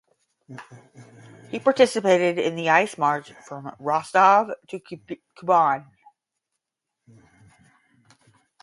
He participated in the Ice March from Rostov to Kuban.